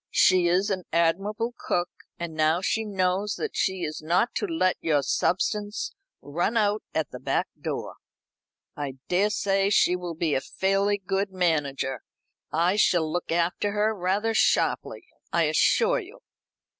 She is an admirable cook, and now she knows that she is not to let your substance run out at the back door, I daresay she will be a fairly good manager. I shall look after her rather sharply, I assure you.